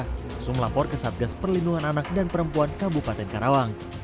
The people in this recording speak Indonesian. langsung melapor ke satgas perlindungan anak dan perempuan kabupaten karawang